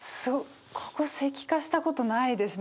ここ石化したことないですね。